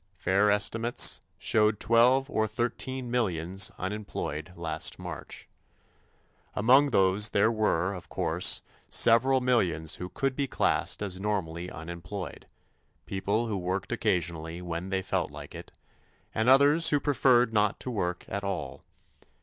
Fair estimates showed twelve or thirteen millions unemployed last March. Among those there were, of course, several millions who could be classed as normally unemployed people who worked occasionally when they felt like it, and others who preferred not to work at all.